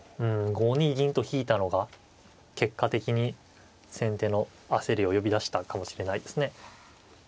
５二銀と引いたのが結果的に先手の焦りを呼び出したかもしれないですね。